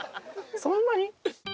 そんなに？